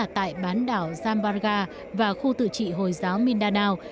tại bán đảo zambara và khu tự trị hồi giáo mindanao